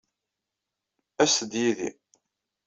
Aset-d yid-i.